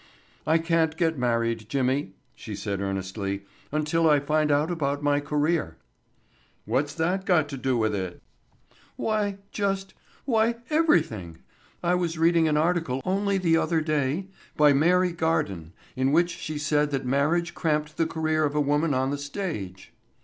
"I can't get married, Jimmy," she said earnestly, "until I find out about my career." "What's that got to with it?" "Why, just—why, everything. I was reading an article only the other day by Mary Garden in which she said that marriage cramped the career of a woman on the stage.